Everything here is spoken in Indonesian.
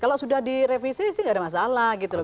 kalau sudah direvisi sih nggak ada masalah gitu loh